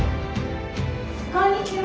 こんにちは。